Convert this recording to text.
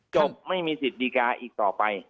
จบไม่มีสิทธิ์ดีการ์อีกต่อไป